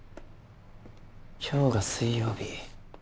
今日が水曜日。